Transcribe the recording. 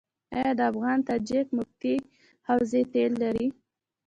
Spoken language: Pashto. آیا د افغان تاجک نفتي حوزه تیل لري؟